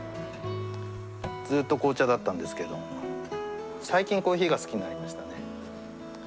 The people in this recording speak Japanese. ずっと紅茶だったんですけど最近コーヒーが好きになりましたね。